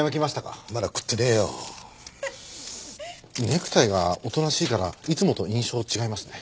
ネクタイがおとなしいからいつもと印象違いますね。